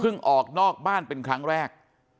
ออกนอกบ้านเป็นครั้งแรก